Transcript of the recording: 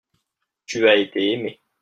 tu as été aimé.